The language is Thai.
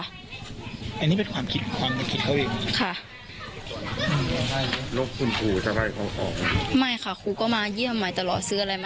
อันนี้มันความคิดเขาเอง